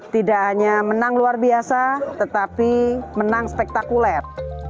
tidak hanya menang luar biasa tetapi menang spektakuler